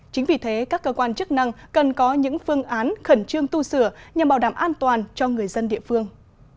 chính vì thế các cơ quan chức năng cần có những phương án khẩn trương tu sửa nhằm bảo đảm an toàn cho người dân địa phương